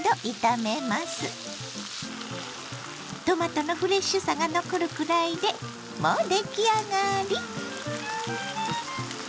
トマトのフレッシュさが残るくらいでもう出来上がり！